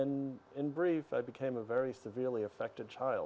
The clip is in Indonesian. di mana beberapa dari kita sangat verbal